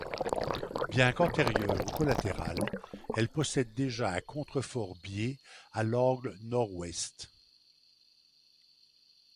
Bien qu'antérieure au collatéral, elle possède déjà un contrefort biais à l'angle nord-ouest.